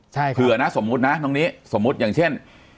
ใช่เผื่อนะสมมุตินะตรงนี้สมมุติอย่างเช่น